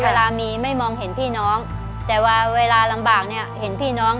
เวลามีไม่มองเห็นพี่น้องแต่ว่าเวลาลำบากเนี่ยเห็นพี่น้อง